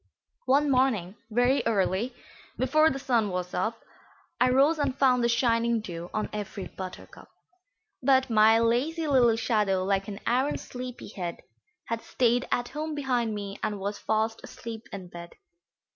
One morning, very early, before the sun was up, I rose and found the shining dew on every buttercup; But my lazy little shadow, like an arrant sleepy head, Had stayed at home behind me and was fast asleep in bed.